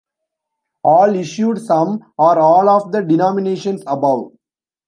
All issued some or all of the denominations above.